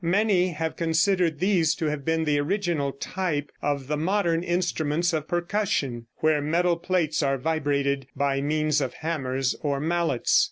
Many have considered these to have been the original type of the modern instruments of percussion, where metal plates are vibrated by means of hammers or mallets.